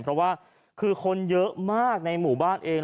เพราะว่าคือคนเยอะมากในหมู่บ้านเอง